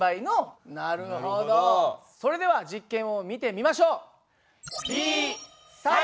それでは実験を見てみましょう。